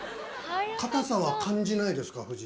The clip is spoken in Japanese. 堅さは感じないですか夫人。